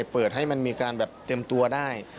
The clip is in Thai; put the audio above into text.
เปิดให้มันมีการแบบเต็มตัวได้